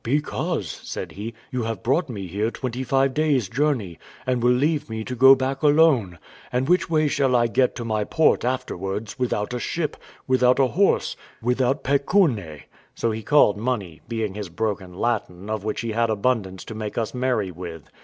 "Because," said he, "you have brought me here twenty five days' journey, and will leave me to go back alone; and which way shall I get to my port afterwards, without a ship, without a horse, without pecune?" so he called money, being his broken Latin, of which he had abundance to make us merry with.